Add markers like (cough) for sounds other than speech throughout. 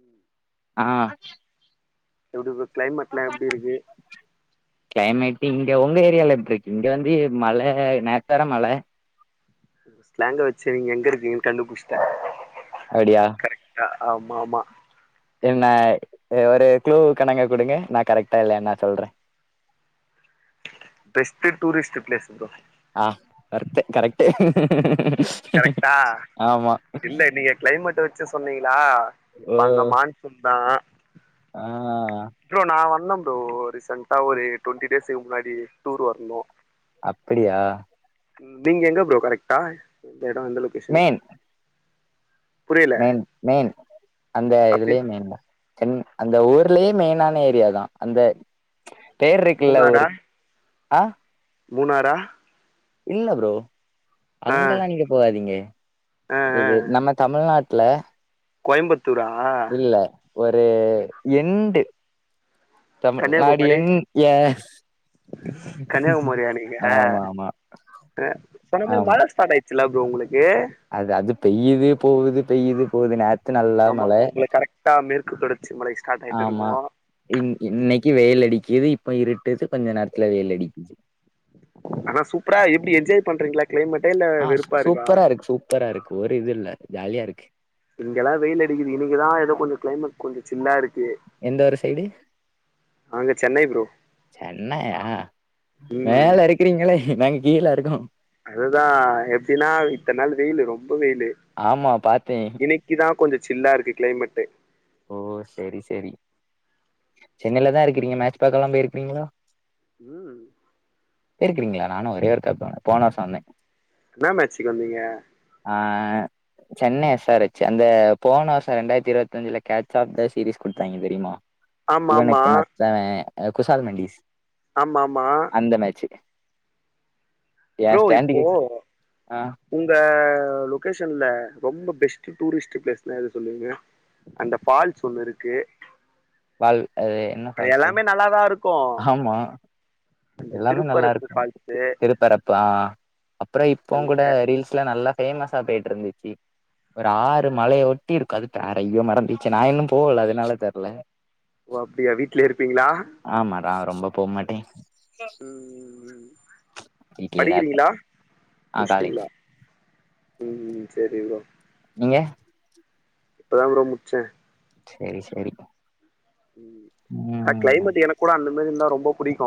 உம் ஆஹ் எப்புடி இப்ப கிளைமேட்லா எப்டி இருக்கு கிளைமேட்டு இங்க உங்க ஏரியால எப்டிருக்கு இங்க வந்து மழ நேத்தோர மழ ஸ்லாங்க வெச்சு நீங்க எங்க இருக்கீங்கன்னு கண்டுபுச்சிட்டே அப்டியா கரெக்டா ஆமா ஆமா என்ன ஒரு க்ளூ கணங்க குடுங்க நா கரெக்ட்டா இல்லையா நா சொல்றே பெஸ்ட்டு டூரிஸ்ட் பிளேஸ் ப்ரோ ஆஹ் வொர்த்து கரக்டு கரெக்டா இல்ல நீங்க கிளைமேட் வெச்சு சொன்னீங்களா இப்ப அங்க மான்சூன் தா ஆஹ் ப்ரோ நா வந்த ப்ரோ ரீசெண்டா ஒரு டுவெண்ட்டி டேஸ்ஸுக்கு முன்னாடி டூர் வர்ணு அப்படியா நீங்க எங்க ப்ரோ கரெக்டா எடோ எந்த லொகேஷனு மெயின் மெயின் மெயின் அந்த இதுலயே அப்டின்னா மெயின் தா சென் அந்த ஊர்லயே மெயினான ஏரியா தா அந்த பேர் இருக்குல்ல ஊரு ஆ மூணாறா இல்ல ப்ரோ ஆ அங்கலா நீங்க போகாதீங்க ஆ இது நம்ம தமிழ்நாட்ல கோயம்பத் துரா இல்ல ஒரு எண்டு தமிழ்நாடு என் ஏ கன்னியாகுமாரியா நீங்க ஆ ஆமா ஆமா சொன்னமாரி ஆமா மழை ஸ்டார்ட் ஆயிச் சில ப்ரோ உங்களுக்கே அது அது பெய்யுது போகுது பெய்யுது போகுது நேத் ஆமாமா உங்கள கரெக்டா மேற்கு தொடர்ச்சிமழை ஸ்டார்ட் ஆயிட்டு இருக்கு இ இன்னைக்கு வெயல் அடிக்கிது இப்ப இருட்டுது கொஞ்ச நேரத்துல வெயல் அடிக்குது ஆனா சூப்ரா எப்டி என்ஜாய் பண்றீங்களா கிளைமேட்டே இல்ல வெறுப்பா இருக்கா ப்பரா இருக்கு ஒரு இது இல்ல ஜாலியா இருக்கு இங்கல்லா வெயில் அடிக்கிது இன்னைக்குதா ஏதோ கொஞ்சோ கிளைமேட் கொஞ்சோ சில்லா இருக்கு எந்த ஒரு சைடு நாங்க சென்னை ப்ரோ சென்னையா ம் மேல இருக்கிறீங்களே நாங்க கீழ இருக்கோ அதுதா எப்டின்னா இத்தன நாள் வெயில்லு ரொம்ப வெயில்லு ஆமா பாத்தே இன்னை இதா கொஞ்ச சில்லா இருக்கு கிளைமேட்டு ஓ செரி செரி சென்னைலதா இருக்கறீங்க மேட்ச் பாக்கெல்லா போயிருக்கீங்ளா ம் போயிருக்கிறீங்ளா நானு ஒரே ஒருக்கா போன போன வருஷோ வந்த என்னா மேச்சுக்கு வந்தீங்க ஆ சென்னை எஸ் ஆர் ஹெச் அந்த போன வருஷோ ரெண்டாயிரத்தி இருவத்தஞ்சில கேட்ச் ஆப் த சீரீஸ் குடுத்தாங்க தெரிமா ஆமா ஆமா இவனுக்கு மத்தவ குஷால் மண்டீஸ் ஆமாமா அந்த மேச்சு ப்ரோ இப்போ ஆ உங்க லொகேஷன்ல ரொம்ப பெஸ்ட் டூரிஸ்ட் பிளேஸ்னா எது சொல்லுவீங்க அந்த ஃபால்ஸ் ஒண்ணு இருக்கு ஃபால் அது என்ன அது ஃபால்ஸ்சு எல்லாமே நல்லாதா இருக்கு ஆமா அந்த எல்லாமே திருப்பரப்பு நல்லாருக்கு ஃபால்ஸு திருப்பர பா அப்றோ இப்பங் அங்க கூட ரீல்ஸ்ல நல்லா ஃபேமஸ்ஸா போயிட்டு இருந்துச்சு ஒரு ஆறு மலைய ஒட்டி இருக்கு அது பேற ஐயோ மறந்திருச்சு நா இன்னு போகல அதனால தெர்ல ஓ அப்டியா வீட்ல இருப்பீங்ளா ஆமா நா ரொம்ப போ மாட்டே வீட்லயே தா இருப்பே படிக்கிறீங்ளா ஆ காலேஜ் முடிச்சுட்டீங்ளா ம் ம் செரி ப்ரோ நீங்க இப்பதான் ப்ரோ முச்ச செரி செரி ஆ கிளைமேட் எனக்கு கூட அந்த மாரி இருந்தா ரொம்ப புடிக்கு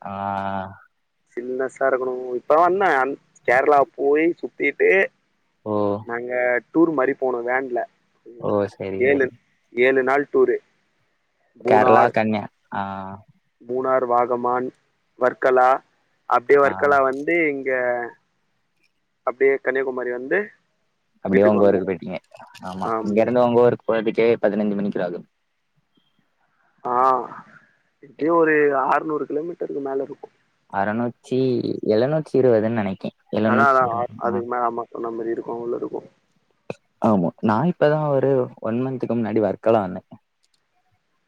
ஆ சில்னஸ்ஸா இருக்கணு இப்ப வந்த அ கேரளா போய் சுத்திட்டு ஓ நாங்க டூர் மாரி போனோ வேன்ல ஓ செரி ஏழு செரி ஏழு நாள் டூரு கேரளா, மூணார் கன்யா ஆ மூணார், வாகமான், வர்கலா அப்டியே ஆ வர்கலா வந் அப்டியே இங்க அப்டியே கன்யாகுமரி வந்து அப்டியே வீட்டுக்கு உங்க வந்தோ ஊருக்கு போயிட்டீங்க ஆமா இங்க இருந்து உங்க ஊருக்கு போயிக்கிட்டே பதினெஞ்சு மணிக்கு ஆகு ஆ எப்டியு ஒரு ஆர்நூறு கிலோமீட்டருக்கு மேல இருக்கு அறநூற்றி எழுநூற்றி இருவதுன்னு நெனைக்கே அதா எழுநூற்றி அதா இருவது ஆ அதுக்கு மேல அம்மா சொன்ன மாரி இருக்கு உள்ள இருக்கு ஆமா நான் இப்பதா ஒரு ஒன் மந்த்துக்கு முன்னாடி வர்க்கலா வந்தே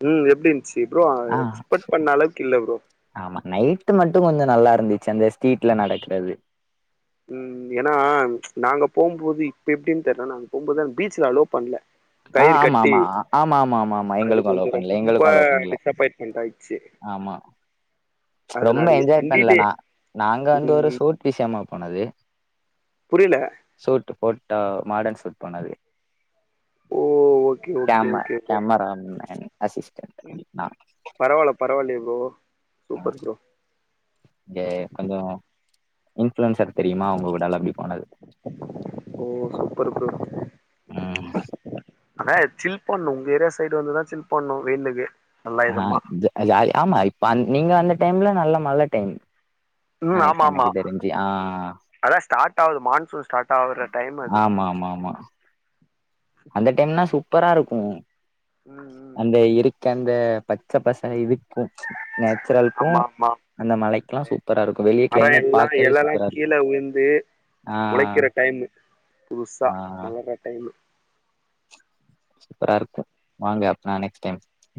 ம் எப்டி இந்துச்சு ப்ரோ ஆ எக்ஸ்பெ்ட் பண்ண அளவுக்கு இல்ல ப்ரோ ஆமா நைட் மட்டு கொஞ்சோ நல்லா இருந்துச்சு அந்த ஸ்ட்ரீட்ல நடக்கிறது ம் ஏனா நாங்க போம்போது இப்ப எப்டின்னு தெர்ல நாங்க போம்போது அந்த பீச்ல அலோ பண்ல ஆ கயிறு கட்டி ஆமாமா ஆமாமாமாமா அது எங்களுக்கு அலோ கொஞ்சோ பண்ல ரொம்ப எங்களுக்கு ஆலோ பண்ல டிசப்பாயின்ட்மெண்ட் ஆயிடுச்சு ஆமா (inaudible) ரொம்ப அதனாலயே என்ஜாய் பண்ல தண்ணிலே நா நாங்க வந்து ஒரு ம் ஷூட் விஷியமா போனது புரில சூட் போட்டா மாடர்ன் சூட் போனது ஓ ஓகே ஓகே கேம ஓகே ப்ரோ கேமராமேன் அசிஸ்டண்ட் நா பரவால்ல பரவால்லயே ப்ரோ ஆ சூப்பர் ப்ரோ இங்க கொஞ்சோ இன்ஃப்ளுயன்சர் தெரிமா அவுங்க ஊடால அப்டி போனது ஓ சூப்பர் ப்ரோ ம் அண்ணே சில் பண்ணு உங்க ஏரியா சைடு வந்துதா சில் பண்ணு வெயிலுக்கு நல்லா ஆ இதமா ஜா ஜாலி ஆமா இப்ப அ நீங்க அந்த டைம்ல நல்ல மழ டைம் ம் அன்னக்கி ஆமா ஆமா எனக்கு தெரிஞ்சு ஆ அதா ஸ்டார்ட் ஆவுது மான்சூன் ஸ்டாட்டாவுற டைமு ஆமாமாமா அந்த டைம்னா சூப்பராருக்கு ம் ம் அந்த இருக்கந்த பச்ச பச இருக்கு ஆமாமா சூப்பரா இருக்கு வெளிய மரோ கிளைமேட் எல்லா பாக்கவே எலல்லா சூப்பரா கீழ இருக்கு விழுந்து ஆ மொளைக்கிற டைமு புதுசா ஆ மலர்ற டைமு சூப்பராருக்கு வாங்க அப்பனா நெக்ஸ்ட் டைம்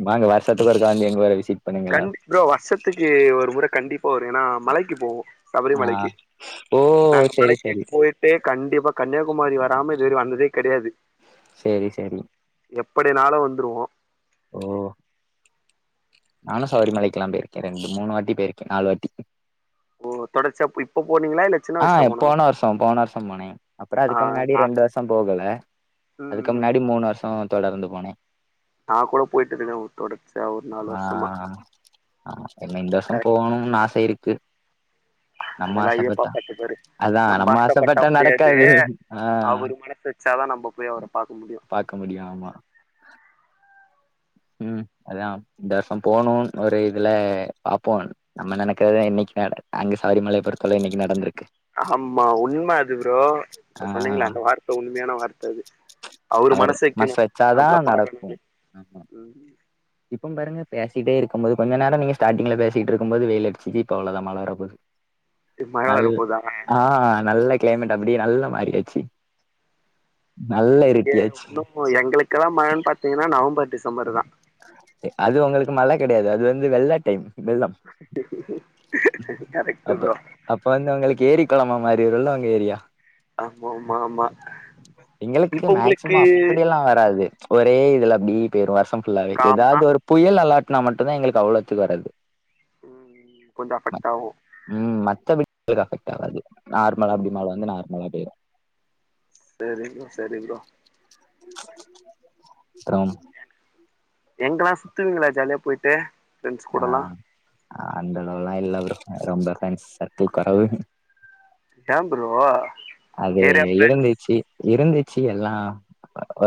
வாங்க வர்ஷத்துக்கு ஒருக்கா வந்து எங்க ஊர விசிட் பண்ணுங்க எல்லாரு கண்டி ப்ரோ வர்ஷத்துக்கு ஒரு முற கண்டிப்பா வரு ஏனா மலைக்கி போவோ சபரி ஆ மலைக்கி ஓ நாங்க செரி மலைக்கி செரி போயிட்டு கண்டிப்பா கன்னியாகுமரி வராம இதுவரயு வந்ததே கெடயாது சேரி சேரி எப்படினாலு வந்துருவோ ஓ நானு சபரிமலைக்குல்லா போய்ருக்கே ரெண்டுமூணு வாட்டி போயிருக்கே நாலு வாட்டி ஓ தொடர்ச்சியா போ இப்போ போனீங்களா இல்ல சின்ன ஆ வயசுல போனதா போன வர்ஷோ போன வர்ஷோ போனே அப்றோ ஆ அதுக்கு முன்னாடி நா ரெண்டு வர்ஷோபோகல ம் அதுக்கு ம் முன்னாடி மூணு வர்ஷோ தொடர்ந்து போனே நா கூட போய்ட்ருக்கே ஒரு தொடர்ச்சியா ஒரு நாலு ஆ வர்ஷமா ஆ என்ன இந்தவர்ஷோ போணும்ன்னு ஆச இருக்கு நம்ம அதெல்லா ஐய்யப்பா ஆசப்பட்டா பாத்துப்பாரு அதா நம்ப நம்ம ஆசப்பட்டா முடியாது நடக்காது ஆ அவுரு மனசு வச்சாதா நம்ப போய் அவர பாக்க முடியு பாக்க முடியு ஆமா ம் அதா இந்த வர்ஷோ போணுன் ஒரே இதுல பாப்போ நம்ம நெனைக்கிறதா என்னக்கி நட அங்க சபரிமலைய பொறுத்தலை என்னக்கி நடந்திருக்கு ஆமா உண்ம அது ப்ரோ இப்ப ஆ சொன்னீங்ள அந்த வார்த்த உண்மயான வார்த்த அது அவ்ரு அவர் மனசு வக்கணு வச்சாதா நம்ள பாக்கணுன்னு இப்போம் பாருங்க பேசிட்டே இருக்கம்போது கொஞ்ச நேரோ நீங்க ஸ்டாடிங்ல பேசிட்ருக்கு போது வெயில் அடிச்சுச்சு இப்ப அவ்ளோதா மழ வர போது மழ வர போதாங்க ஆ நல்ல கிளைமேட் அப்டியே நல்ல மாரியாச்சு இங்க இருட்டியாச்சு ஒண்ணு எங்களுக்கல்லா மழன் பாத்தீங்கன்னா நவம்பர் டிசம்பர் தா அது ஒங்களுக்கு மழ கெடயாது அது வந்து வெள்ள டைம் வெள்ளம்‌ கரெக்ட் அப்ப ப்ரோ அப்ப வந்து ஒங்களுக்கு ஏரி கொளமா மாரிருல ஒங்க ஏரியா ஆமாமா ஆமா எங்களுக்கு இப்ப உங்களுக்கு மேக்சிமம் அப்டியெல்லா வராது ஒரே இதுல அப்டி போய்ரு வர்ஷோ ஃபுல்லாவே காமனா எதாவ்து ஒரு புயல் அலார்ட்டனா மட்டுந்தா எங்களுக்கு அவ்ளோத்துக்கு வரது ம் கொஞ்சோ அஃபெக்ட்டாவு ம் மத்த (inaudible) அபெக்ட் ஆகாது நார்மலா ம் அப்டி மழ வந்து நார்மலா அப்டியே சேரி ப்ரோ செரி ப்ரோ த்ரம் எங்கெல்லா சுத்துவீங்களா ஜாலியா போயிட்டு ஃப்ரெண்ட்ஸ் ஆ கூடலா அந்த அளவுலா இல்ல ப்ரோ ரொம்ப ஃப்ரெண்ட்ஸ் சர்க்கிள் கொறவு ஏ ப்ரோ அது ஏரியா ஃப்ரெண்ட்ஸ் இருந்துச்சு இருந்துச்சு எல்லா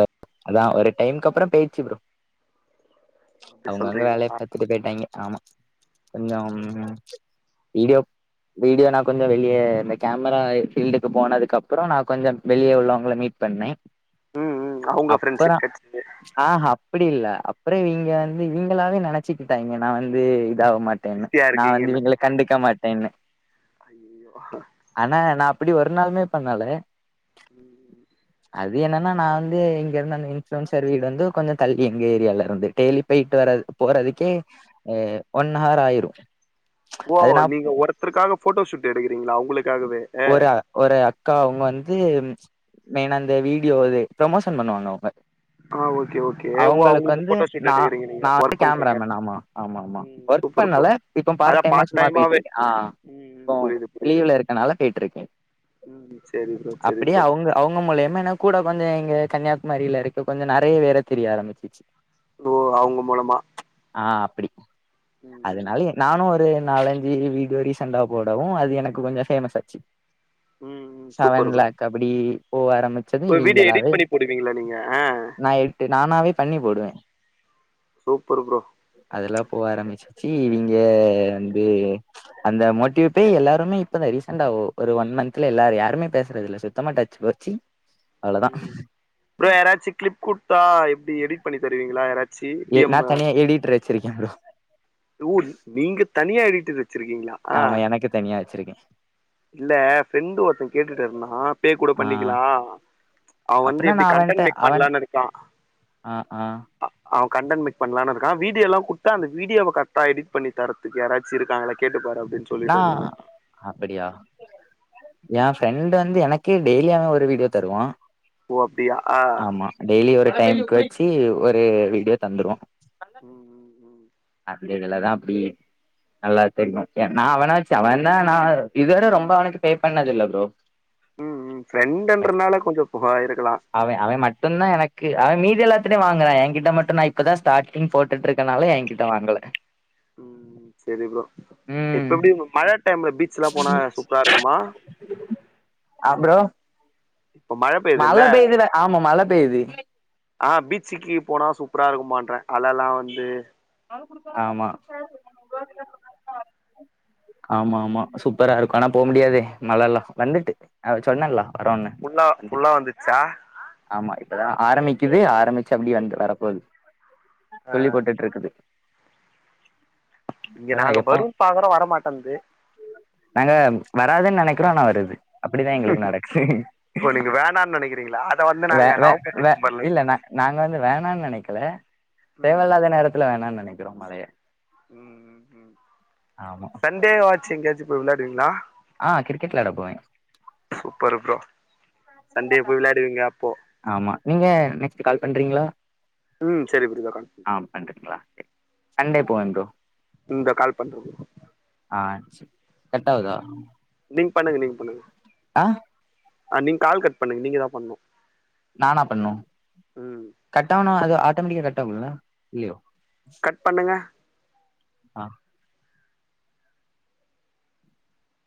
அ அதா ஒரு டைம்கு அப்பறோ பேயிருச்சு ப்ரோ அப்டி அவுங்கவுங்க சொல்றீங்களா வேலய ஆ பாத்துட்டு போயிட்டாய்ங்க ஆமா கொஞ்சம் வீடியோ வீடியோனா கொஞ்சோ வெளிய இந்த கேமராய் ஃபீல்டு கு போனதுக்கு அப்பறோ நா கொஞ்சம் வெளிய உள்ளவங்கள மீட் பண்ணே ம் ம் அவுங்க அப்பறோ ஃப்ரெண்ட்ஷிப் கெடச்சது ஆ ஹ அப்டி இல்ல அப்பற இவிய்ங்க வந்து இவிங்களாவே நெனச்சிக்கிட்டாய்ங்க நா வந்து இதாக மாட் டேனு பிஸியா நா வந்து இருக்கீங்கன்னா இவிங்ய்கள கண்டுக்க மாட்டேனு ஐயயோ ஆனா நாப் அப்டி ஒரு நாளுமே பண்ணல ம் ம் அது என்னனா நா வந்து இங்க இருந்து அந்த இன்ஃப்ரன்சர் வீடு வந்து கொஞ்ச தள்ளி எங்க ஏரியால இருந்து டெய்லி போயிட்டு வரது போறதுக்கே அ ஒன் ஹவர் ஆயிரு ஓ அதுனா நீங்க ஒருத்தருக்காக போட்டோ ஷூட் எடுக்கிறீங்களா அவுங்களுக்காகவே ஒரு ஒரு அக்கா அவுங்க வந்து மெய்னா அந்த வீடியோ இது ப்ரமோஷன் பண்ணுவாங்க அவுங்க ஆ ஓகே ஓகே ஓ அவுங்களுக்கு வந்து போட்டோ ஷூட் நா எடுக்குறீங்க நீங்க நா ஒர்க் பண்றீங்க கேமராமேன் ஆமா ஆமா ஆமா ம் ஒர்க் சூப்பர் ப்ரோ பண்ணல இப்போ பார்ட் அதா டைமா சும்மா டைமாவே போயிட்டுருக்கே ஆ ம் ம் இப்போ புரியுது புரியுது லீவ்ல இருக் கனால போயிட்டுருக்கே ம் செரி ப்ரோ செரி அப்டியே ப்ரோ அவுங்க அவுங்க மூலியமா எனக் கூட கொஞ்ச இங்க கன்னியாகுமரில இருக்கு கொஞ்ச நெறைய பேர தெரிய ஆரம்பிச்சிச்சு ஓ அவுங்க மூலமா ஆ அப்டி ம் ம் அதனாலியே நானு ஒரு நாலஞ்சு வீ டியோ ரீசண்டா போடவு அது எனக்கு கொஞ்சோ பேமஸ் ஆச்சு ம் ம் செவன் லக் அப்டி போக ஆரமி இப்ப ஒரு வீடியோ எடிட் பண்ணி போடுவீங்களா நீங்க ஆ இது நானாவே பண்ணி போடுவே சூப்பர் ப்ரோ அதெல்லா போக ஆரமிச்சிச்சி இவிய்ங்க வந்து அந்த மோட்டிவு பே எல்லாருமே இப் இப்பதா ரீசண்டாவோ ஒரு ஒன் மந்த்ல எல்லாரு யாருமே பேசுறது இல்ல சுத்தமா டச்ச போச்சி அவ்ளோதா ம் ப்ரோ யாராச்சி கிளிப் குடுத்தா எப்டி எடிட் பண்ணி தருவீங்களா யாரா ஏ நா தனியா எடிட்டர் வச்சிருக்கே ப்ரோ டூடு நீங்க தனியா எடிட்டர் வச்சிருக்கீங்களா ஆ ஆமா எனக்கு தனியா வச்சுருக்கே இல்ல ஃப்ரெண்டு ஒருத்தே கேட்டுட்டு இருந்தா பே கூட ஆ பண்ணிக்கலா அவ வந்து அப்பனா எப்டி கண்டன்ட் மேக் பண்ணலான் நெனைக்கா அ ஆ அ அவ கண்டன்ட் மேக் பண்ணலானு இருக்கா வீடியோலா குடுத்தா அந்த வீடியோவ கரெக்டா எடிட் பண்ணி தர இதுக்கு யாராச்சு இருக்காங்களா கேட்டுப்பாரு அப்டினு சொ நா அப்டியா எ ஃப்ரெண்ட் வந்து எனக்கே டெய்லி அவன் ஒரு வீடியோ தருவான் ஓ அப்டியா ஆ டெய்லி ஒரு டைமுகு வச்சி ஒரு வீடியோ தந்துடுவோ ம் ம் ம் அப்டி இதுல தான் அப்டி நல்லா தெரியும் எ நான் அவனாச்சி அவன் தான் நா இதுவிட ரொம்ப அவனுக்கு பே பண்ணது இல்ல ப்ரோ ம் ம் அவ ஃப்ரெண்டன்றனால கொஞ்சோ புகாயிருக்கலாம் இப்பதான் எனக்கு அவன் மீதீ எல்லாத்திட்டயும் வாங்குறான் என்கிட்ட மட்டும் தான் இப்பதான் ஸ்டார்டிங் போட்டு இருக்கனால என்கிட் ட வாங்கல ம் சேரி ப்ரோ இப்ப ம் எப்டி உங்க மழ டைம்ல பீசல்லாம் போனா சூப்பரா இருக்குமா அ ப்ரோ உமர் மழ பெய்துல ஆமா மழ பெய்து ஆ பீச்சுக்கு போனா சூப்பரா இருக்குமான்றன் அலலெல்லாம் வந்து ஆமா ஆமாம்மா சூப்பரா இருக்கும் ஆனா போக முடியாதே மழலா வந்துட்டு அவன் சொன்னான்லா அரோன்னே ஃபுல்லா ஃபுல்லா வந்துச்சு வந்துச்சா ஆமா இப்பதான் ஆரம்பிக்குது ஆரம்பிச்சு அப்டி வந்து வரப்போது ஆ துளி போட்டுட்டு இருக்குது இங்க அதா நாங்க எப்போ வரும் பாக்குறோம் வரமாட்டன்து நாங்க வராதுன்னு நினைக்கிறோ ஆனா வருது அப்டிதான் எங்களுக்கு நடக்குது ஓ நீங்க வேணான்னு நெனைக்கிறீங்களா அத வந்து வே நாங்க வே நவம்பர் வே வே டிசம்பர்ல இல்லண்ண நெனைப்போ நாங்க வந்து வேணான்னு நினைக்கல ம் தேவையில்லாத நேரத்துல வேணான்னு நினைக்கிறோம் மழய ம் ம் ம் ஆமா சண்டே வாச்சும் எங்கேயாச்சும் போய் விளையாடுவீங்களா ஆ கிரிக்கெட் விளாட போவே சூப்பர் ப்ரோ சண்டே போய் விளையாடுவீங்க அப்போ ஆமா நீங்க நெக்ஸ்ட் கால் பண்றீங்களா ம் சேரி ப்ரோ ஆ பண்றீங்களா ஓகே சண்டே போறேன் ப்ரோ இந்தோ கால் பண்றே ப்ரோ ஆ சேர் கட்டாவுதா நீங் பண்ணுங்க நீங் பண்ணுங்க ஆ ஆ நீங்க கால் கட் பண்ணுங்க நீங்கதான் பண்ணும் நானா பண்ணும் ம் கட் ஆனா அது ஆட்டோமெட்டிக்கா கட் ஆகும்ல இல்லையோ கட் பண்ணுங்க ஆ